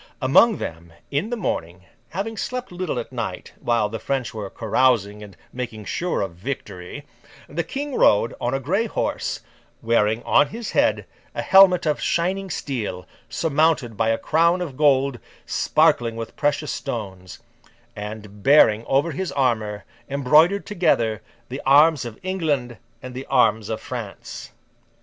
Among them, in the morning—having slept little at night, while the French were carousing and making sure of victory—the King rode, on a grey horse; wearing on his head a helmet of shining steel, surmounted by a crown of gold, sparkling with precious stones; and bearing over his armour, embroidered together, the arms of England and the arms of France.